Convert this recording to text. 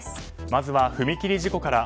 まずは踏切事故から。